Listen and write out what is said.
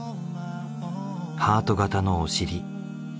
ハート形のお尻。